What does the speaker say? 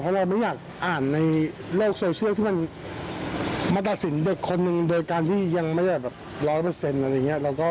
เพราะเราไม่อยากอ่านในโลกโซเชียลที่มันมาตัดสินเด็กคนนึงโดยการที่ยังไม่ได้แบบร้อยเปอร์เซ็นต์อะไรอย่างนี้